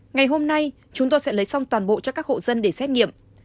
ngày hôm nay chúng tôi sẽ lấy xong toàn bộ cho các hộ dân để xét nghiệm